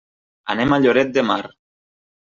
Anem a Lloret de Mar.